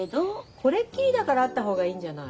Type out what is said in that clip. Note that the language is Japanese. これっきりだからあった方がいいんじゃない。